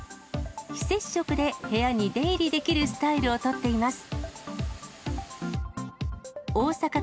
非接触で部屋に出入りできるスタイルを取っています。